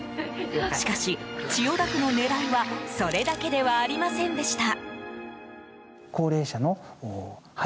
しかし、千代田区の狙いはそれだけではありませんでした。